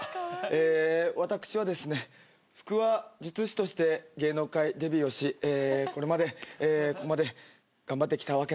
え私はですね腹話術師として芸能界デビューをしこれまでここまで頑張ってきたわけなんですけども。